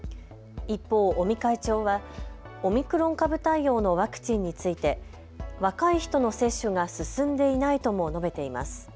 一方、尾身会長はオミクロン株対応のワクチンについて若い人の接種が進んでいないとも述べています。